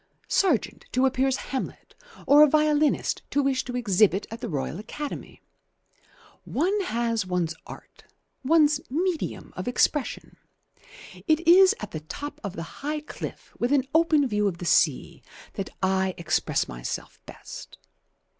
Sargent to appear as 'Hamlet' or a violinist to wish to exhibit at the Royal Academy. One has one's art, one's medium of expression. It is at the top of the high cliff with an open view of the sea that I express myself best.